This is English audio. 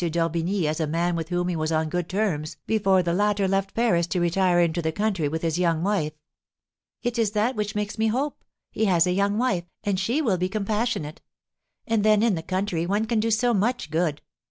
d'Orbigny as a man with whom he was on good terms before the latter left Paris to retire into the country with his young wife." "It is that which makes me hope. He has a young wife, and she will be compassionate. And then in the country one can do so much good.